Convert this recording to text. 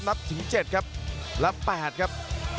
นับถึง๗ครับนับ๘ครับ